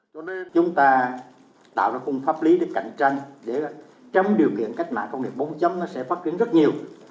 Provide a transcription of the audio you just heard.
chúng ta tạo ra khung pháp lý để cạnh tranh để chấm điều kiện cách mạng công nghiệp bốn chấm nó sẽ phát triển rất nhiều